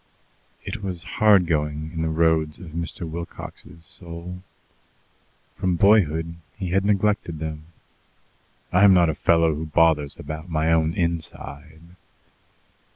It was hard going in the roads of Mr. Wilcox's soul. From boyhood he had neglected them. "I am not a fellow who bothers about my own inside."